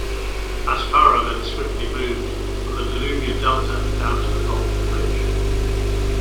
Asparuh then swiftly moved from the Danubian delta down to the Balkan range.